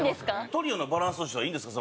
トリオのバランスとしてはいいんですか？